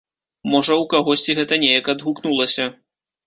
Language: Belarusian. Можа, у кагосьці гэта неяк адгукнулася.